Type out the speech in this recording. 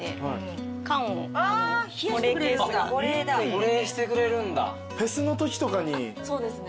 保冷してくれるんだ。